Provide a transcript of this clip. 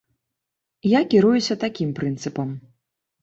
Я кіруюся такім прынцыпам.